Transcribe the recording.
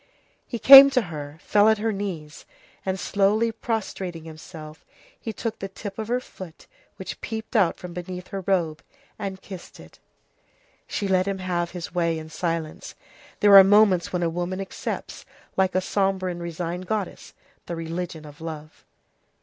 He came to her, fell at her knees, and slowly prostrating himself, he took the tip of her foot which peeped out from beneath her robe, and kissed it. She let him have his way in silence. There are moments when a woman accepts, like a sombre and resigned goddess, the religion of love.